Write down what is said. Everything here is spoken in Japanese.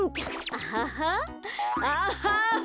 アハハアハハ！